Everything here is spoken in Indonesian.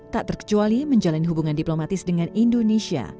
tak terkecuali menjalani hubungan diplomatis dengan indonesia